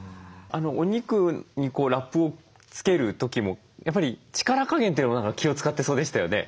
お肉にラップをつける時もやっぱり力加減というのも何か気を遣ってそうでしたよね？